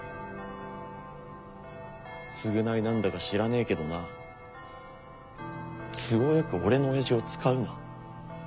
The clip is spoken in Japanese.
償いなんだか知らねえけどな都合よく俺の親父を使うな。